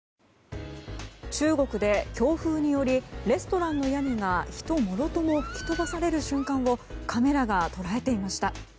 中国で強風によりレストランの屋根が人もろとも吹き飛ばされる瞬間をカメラが捉えていました。